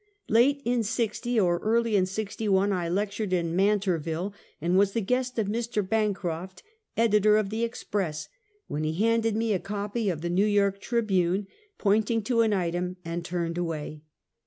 Late in '60 or early in '61, 1 lectured in Mantorville, and was the guest of Mr. Bancroft, editor of the Ex 27}''ess, when he handed me a copy of the l^ew York Tribune, pointed to an item, and turned away.